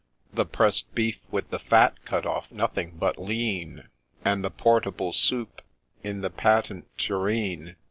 The press'd beef, with the fat cut off — nothing but lean, And the portable soup in the patent tureen